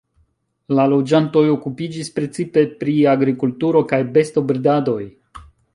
La loĝantoj okupiĝis precipe pri agrikulturo kaj bestobredadoj.